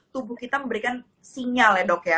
tubuh kita memberikan sinyal ya dok ya